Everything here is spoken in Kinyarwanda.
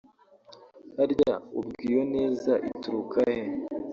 harya ubwo iyo neza ituruka he